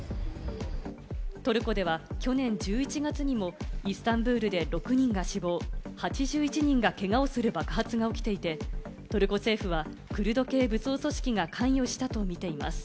トルコでは去年１１月にもイスタンブールで６人が死亡、８１人がけがをする爆発が起きていてトルコ政府はクルド系武装組織が関与したとみています。